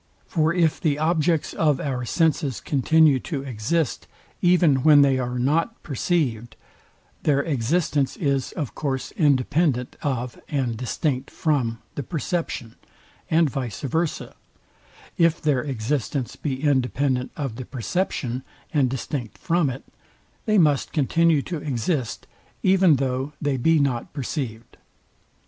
For if the objects of our senses continue to exist, even when they are not perceived, their existence is of course independent of and distinct from the perception: and vice versa, if their existence be independent of the perception and distinct from it, they must continue to exist, even though they be not perceived.